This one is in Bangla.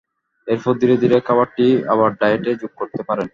এরপর ধীরে ধীরে খাবারটি আবার ডায়েটে যোগ করতে পারেন।